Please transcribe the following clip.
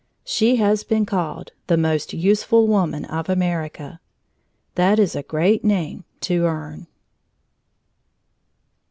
She has been called the most useful woman of America. That is a great name to earn.